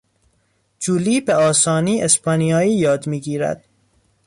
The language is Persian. جولی به آسانی اسپانیایی یاد میگیرد.